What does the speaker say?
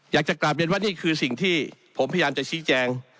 อยากจะกลับเรียนว่านี่คือสิ่งที่ผมพยายามจะชี้แจง